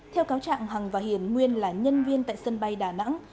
theo cáo trạng hằng và hiền nguyên là nhân viên tại sân bay đà nẵng